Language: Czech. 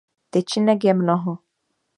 Tyčinek je mnoho.